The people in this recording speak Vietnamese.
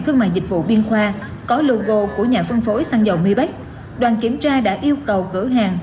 thương mại dịch vụ biên khoa có logo của nhà phân phối xăng dầu mi bách đoàn kiểm tra đã yêu cầu cửa hàng